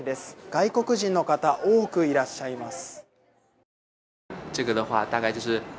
外国人の方多くいらっしゃいます。